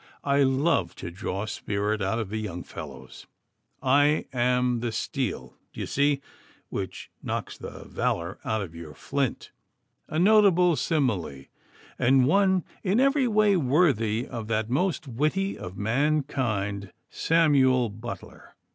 'I love to draw spirit out of the young fellows. I am the steel, d'ye see, which knocks the valour out of your flint. A notable simile, and one in every way worthy of that most witty of mankind, Samuel Butler.